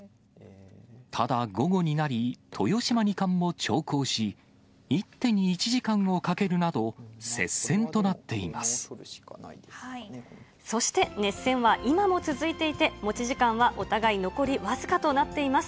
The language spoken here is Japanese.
ただ、午後になり、豊島二冠も長考し、一手に１時間をかけるなど、接戦となっていまそして、熱戦は今も続いていて、持ち時間はお互い残り僅かとなっています。